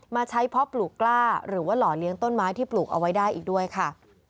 มาใช้เพาะปลูกกล้าหรือว่าหล่อเลี้ยงต้นไม้ที่ปลูกเอาไว้ได้อีกด้วยค่ะ